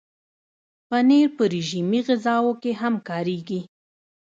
پنېر په رژیمي غذاوو کې هم کارېږي.